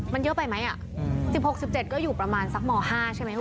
มันเยอะไปไหมอ่ะสิบหกสิบเจ็ดก็อยู่ประมาณสักหมอห้าใช่ไหมครับ